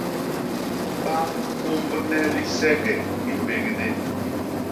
Ba ñumbne lisege i mbédgé.